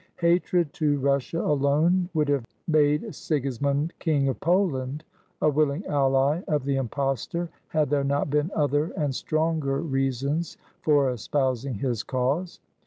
Hatred to Russia alone would have made Sigismund, King of Poland, a willing ally of the impostor, had there not been other and stronger reasons for espousing his cause.